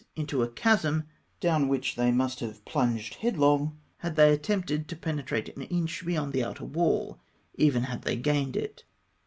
into a chasm, down which they must have plunged headlong had they attempted to penetrate an inch beyond the outer wall, even after they had gained it.